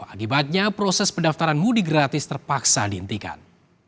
akibatnya proses pendaftaran mudik gratis terpaksa dihentikan